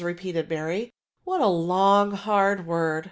^ repeated Mary, " what a long, hard word!